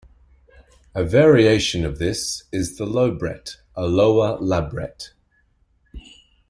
A variation of this is the lowbret, a lower labret.